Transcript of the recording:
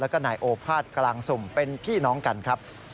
แล้วก็นายโอภาษกลางสุ่มเป็นพี่น้องกันครับ